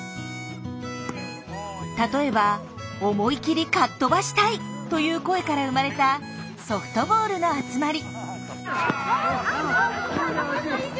例えば「思い切りかっ飛ばしたい！」という声から生まれたソフトボールの集まり。